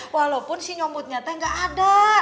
walaupun si nyomotnya teh gak ada